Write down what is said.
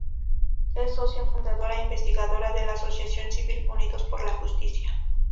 Es socia fundadora e investigadora de la Asociación Civil Unidos por la Justicia.